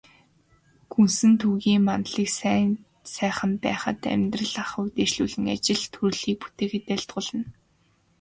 Гүсэнтүгийн мандлыг сайн сайхан байхад, амьдрал ахуйг дээшлүүлэн, ажил төрлийг бүтээхэд айлтгуулна.